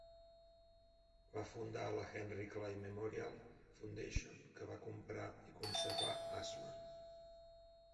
Va fundar la Henry Clay Memorial Foundation, que va comprar i conservar Ashland.